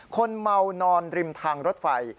คนเมานอนริมทางรถไฟ